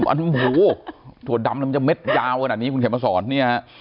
อันหูถั่วดำมันจะเม็ดยาวกันอันนี้คุณเขียนมาสอนเนี่ย